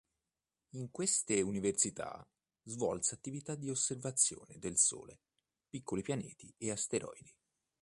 In queste università, svolse attività di osservazione del Sole, piccoli pianeti e asteroidi.